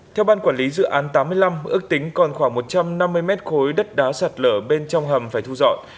theo ban quản lý dự án tám mươi năm ước tính còn khoảng một trăm năm mươi mét khối đất đá sạt lở bên trong hầm phải thu dọn